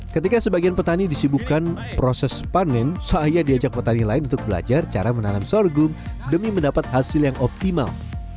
ketika sebagian petani disibukkan proses panen saya diajak petani lain untuk belajar cara menanam sorghum demi mendapat hasil yang optimal